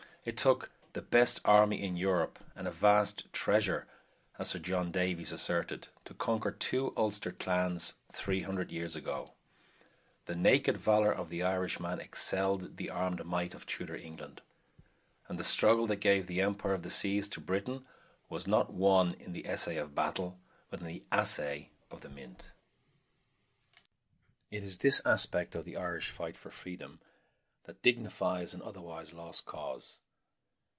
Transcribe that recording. It took "the best army in Europe" and a vast treasure, as Sir John Davies asserted, to conquer two Ulster clans three hundred years ago. The naked valor of the Irishman excelled the armed might of Tudor England; and the struggle that gave the empire of the seas to Britain was won not in the essay of battle, but in the assay of the mint. It is this aspect of the Irish fight for freedom that dignifies an otherwise lost cause.